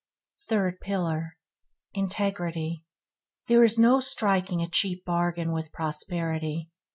4. Third pillar – Integrity There is no striking a cheap bargain with prosperity.